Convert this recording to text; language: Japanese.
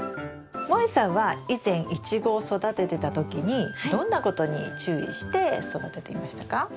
もえさんは以前イチゴを育ててた時にどんなことに注意して育てていましたか？